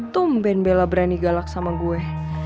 tumben bela berani galak sama gue